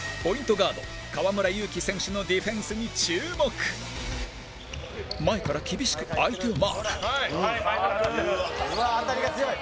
ガード河村勇輝選手のディフェンスに注目前から厳しく相手をマーク田村：当たりが強い！